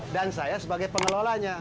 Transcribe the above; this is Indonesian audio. dan saya sebagai pengelolanya